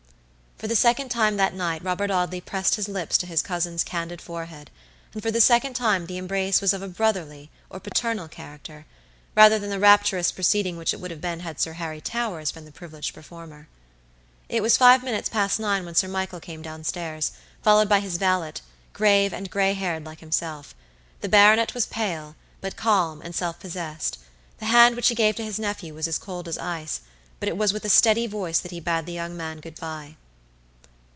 For the second time that night Robert Audley pressed his lips to his cousin's candid forehead, and for the second time the embrace was of a brotherly or paternal character, rather than the rapturous proceeding which it would have been had Sir Harry Towers been the privileged performer. It was five minutes past nine when Sir Michael came down stairs, followed by his valet, grave and gray haired like himself. The baronet was pale, but calm and self possessed. The hand which he gave to his nephew was as cold as ice, but it was with a steady voice that he bade the young man good by.